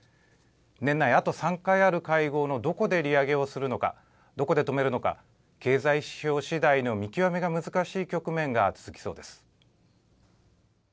年内あと３回ある会合のどこで利上げをするのか、どこで止めるのか、経済指標しだいの見極めが難しい局面が続きそうです。